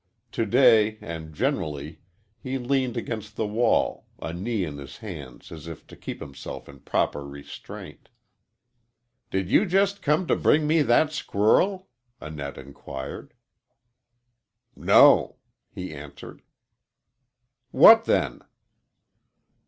To day and generally he leaned against the wall, a knee in his hands as if to keep himself in proper restraint. "Did you just come to bring me that squirrel?" Annette inquired. "No," he answered. "What then?"